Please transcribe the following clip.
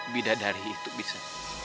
bidadari itu bisa